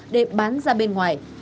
để bán ra bên ngoài